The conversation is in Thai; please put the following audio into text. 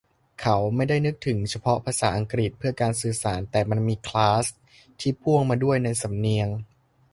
เขาไม่ได้นึกถึงเฉพาะภาษาอังกฤษเพื่อการสื่อสาร แต่มันมี "คลาส" ที่พ่วงมาด้วยในสำเนียง